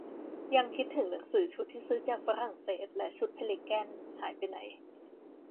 ยังคิดถึงหนังสือชุดที่ซื้อจากฝรั่งเศสและชุดเพลิแกน หายไปไหน